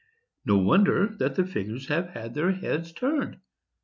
No wonder that figures have had their heads turned!